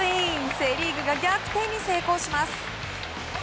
セ・リーグが逆転に成功します。